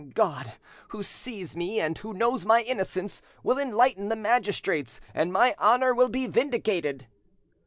God, who sees me, and who knows my innocence, will enlighten the magistrates, and my honour will be vindicated."